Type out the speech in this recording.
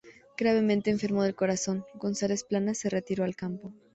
Gravemente enfermo del corazón, González Planas se retiró al campo.